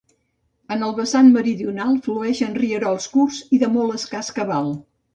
En el vessant meridional fluïxen rierols curts i de molt escàs cabal.